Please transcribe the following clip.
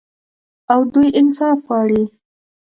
او دوی انصاف غواړي.